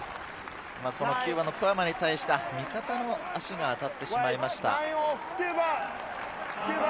小山に対して味方の足が当たってしまいました。